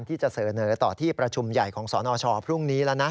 ที่จะเสนอต่อที่ประชุมใหญ่ของสนชพรุ่งนี้แล้วนะ